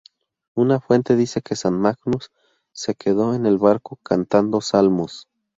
Una fuente dice que San Magnus se quedó en el barco cantando salmos.